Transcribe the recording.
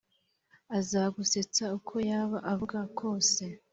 azagusetsa uko yaba avuga kose.